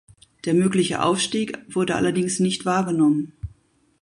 Der mögliche Aufstieg wurde allerdings nicht wahrgenommen.